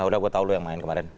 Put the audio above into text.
udah gue tau lo yang main kemarin